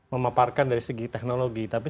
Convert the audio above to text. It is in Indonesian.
memaparkan dari segi teknologi tapi